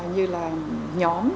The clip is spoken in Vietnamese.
như là nhóm